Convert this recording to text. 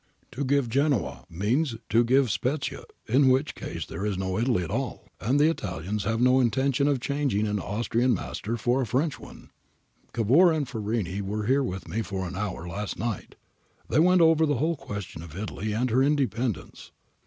To give Genoa means to give Spezia, in which case there is no Italy at all, and the Italians have no intention of changing an Austrian master for a French one.' ' Cavour and Farini were here with me for an hour last night. They went over the whole question of Italy and her independence.